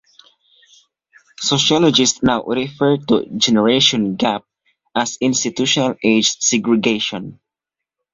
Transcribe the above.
Sociologists now refer to "generation gap" as "institutional age segregation".